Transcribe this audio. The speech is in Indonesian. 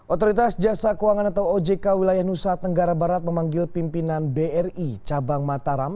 otoritas jasa keuangan atau ojk wilayah nusa tenggara barat memanggil pimpinan bri cabang mataram